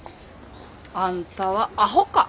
あんたはあほか。